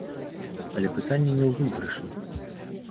Але пытанне не ў выйгрышы.